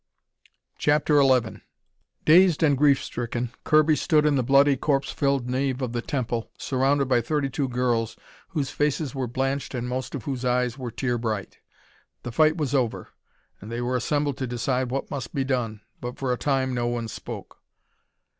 CHAPTER XI Dazed and grief stricken, Kirby stood in the bloody, corpse filled nave of the temple, surrounded by thirty two girls whose faces were blanched and most of whose eyes were tear bright. The fight was over, and they were assembled to decide what must be done, but for a time no one spoke.